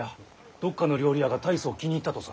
どっかの料理屋が大層気に入ったとさ。